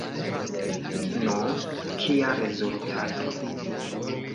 Nu, kia rezultato?